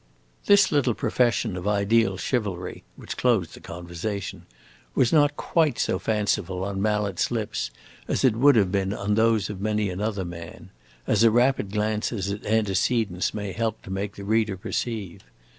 This little profession of ideal chivalry (which closed the conversation) was not quite so fanciful on Mallet's lips as it would have been on those of many another man; as a rapid glance at his antecedents may help to make the reader perceive.